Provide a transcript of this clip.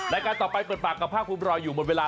รายการต่อไปเปิดปากกับภาคภูมิรออยู่หมดเวลา